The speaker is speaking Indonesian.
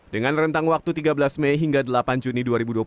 dengan rentang waktu tiga belas mei hingga delapan juni dua ribu dua puluh satu